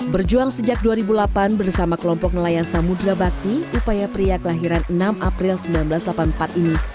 berjuang sejak dua ribu delapan bersama kelompok nelayan samudera bakti upaya pria kelahiran enam april seribu sembilan ratus delapan puluh empat ini